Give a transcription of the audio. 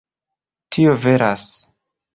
Tio veras.